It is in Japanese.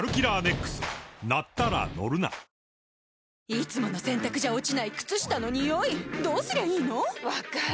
いつもの洗たくじゃ落ちない靴下のニオイどうすりゃいいの⁉分かる。